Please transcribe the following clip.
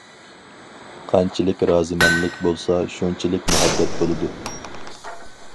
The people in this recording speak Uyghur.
قانچىلىك رازىمەنلىك بولسا شۇنچىلىك مۇھەببەت بولىدۇ.